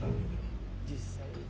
実際。